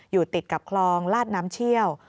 อยู่ติดกับคลองลาดน้ำเชี่ยว